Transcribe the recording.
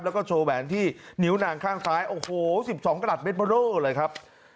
แล้วก็โชว์แหวนที่นิ้วนางข้างซ้ายโอ้โห๑๒กระหัดเบอร์โร่เลยครับ